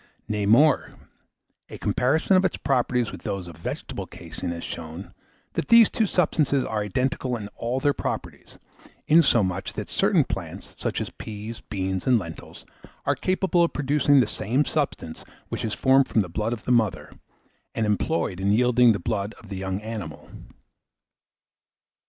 Nay more a comparison of its properties with those of vegetable caseine has shown that these two substances are identical in all their properties; insomuch, that certain plants, such as peas, beans, and lentils, are capable of producing the same substance which is formed from the blood of the mother, and employed in yielding the blood of the young animal.